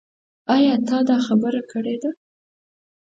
ايا تا دا خبره کړې ده ؟